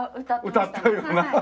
歌ったよな。